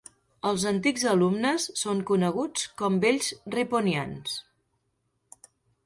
Els antics alumnes són coneguts com Vells Riponians.